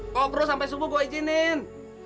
kok bro sampai subuh gua izinin